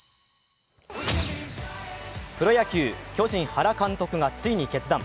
プロ野球、巨人・原監督がついに決断。